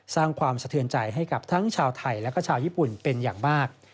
สร้างความสะเทือนใจให้กับทั้งชาวไทยและก็ชาวญี่ปุ่นเป็นอย่างมาก